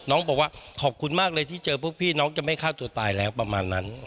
น้องบอกว่าขอบคุณมากเลยที่เจอพวกพี่น้องจะไม่ฆ่าตัวตายแล้วประมาณนั้น